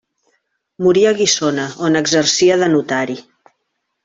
Morí a Guissona, on exercia de notari.